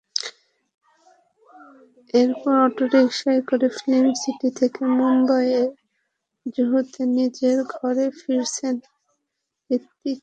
এরপর অটোরিকশায় করে film city থেকে মুম্বাইয়ের জুহুতে নিজের ঘরে ফিরেছেন হৃতিক।